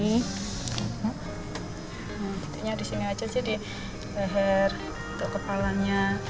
nah titiknya di sini aja sih di leher ke kepalanya